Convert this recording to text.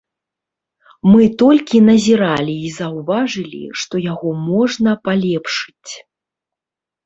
Мы толькі назіралі і заўважылі, што яго можна палепшыць.